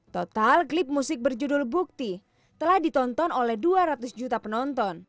total klip musik berjudul bukti telah ditonton oleh dua ratus juta penonton